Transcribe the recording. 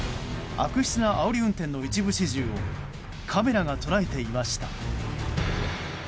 悪質なあおり運転の一部始終をカメラが捉えていました。